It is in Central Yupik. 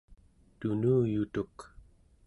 tunuyutuk